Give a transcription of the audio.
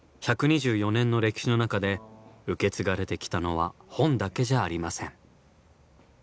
１２４年の歴史の中で受け継がれてきたのは本だけじゃありません。